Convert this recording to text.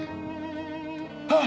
あっ！